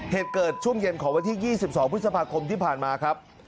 เหตุเกิดช่วงเย็นของวันที่๒๒พฤษภาคมที่ผ่านมาครับ